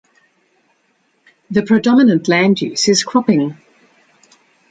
The predominant land use is cropping.